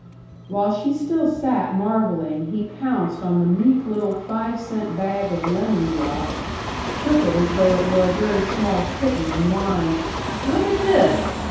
While she still sat marveling he pounced on the meek little five cent bag of lemon drops, shook it as though it were a very small kitten, and whined: "Look at this!